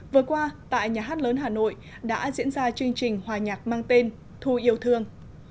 vừa qua tại nhà hát lớn hà nội đã diễn ra chương trình hòa nhạc mang tên thu yêu thương